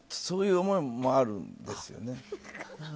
そういう思いもあるんですよね。